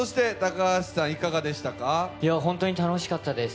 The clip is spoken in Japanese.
本当に楽しかったです。